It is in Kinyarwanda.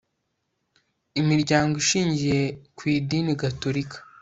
imiryango ishingiye ku idinigatorika